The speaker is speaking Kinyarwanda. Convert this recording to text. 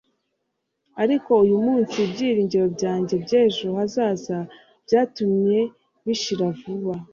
ariko uyumunsi ibyiringiro byanjye by'ejo hazaza byatumye bishira vuba